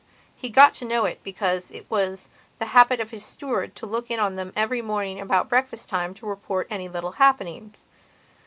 He got to know it because it was the habit of his steward to look in on them every morning about breakfast time to report any little happenings.